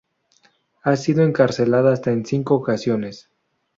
Ha sido encarcelada hasta en cinco ocasiones.